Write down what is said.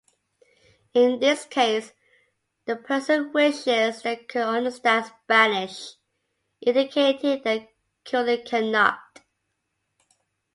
In this case, the person wishes they could understand Spanish, indicating they currently cannot.